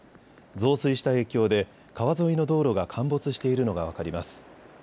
増水した影響で川沿いの道路が陥没しているのが分かります。